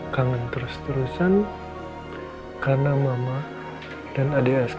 kamu kenapa gak